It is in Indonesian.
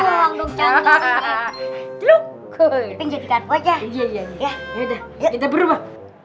ya udah kita berubah